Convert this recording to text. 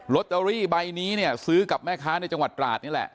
ตเตอรี่ใบนี้เนี่ยซื้อกับแม่ค้าในจังหวัดตราดนี่แหละ